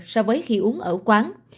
so với khi uống ở quán